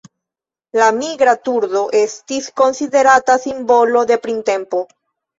La Migra turdo estis konsiderata simbolo de printempo.